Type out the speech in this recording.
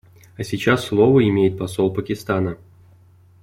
А сейчас слово имеет посол Пакистана.